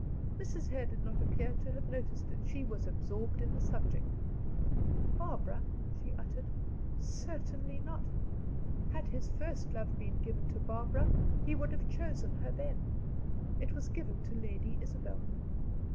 Mrs. Hare did not appear to have noticed it; she was absorbed in the subject. "Barbara?" she uttered; "certainly not. Had his first love been given to Barbara, he would have chosen her then. It was given to Lady Isabel."